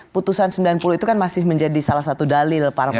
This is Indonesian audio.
putusan sembilan puluh itu kan masih menjadi salah satu dalil para pemain